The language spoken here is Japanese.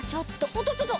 おっとっとっと！